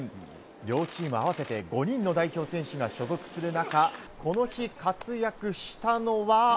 両チーム合わせて５人の代表選手が所属する中この日、活躍したのは。